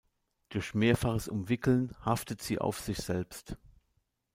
Durch mehrfaches Umwickeln haftet sie auf sich selbst.